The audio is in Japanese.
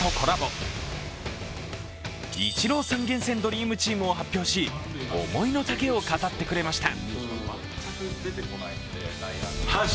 厳選ドリームチームを発表し、思いの丈を語ってくれました。